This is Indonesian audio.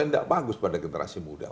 tidak bagus pada generasi muda